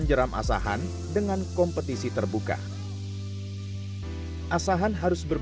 agar gak mungkin masyarakat yang menggunakan sternalgesi buat untuk menghapus sungai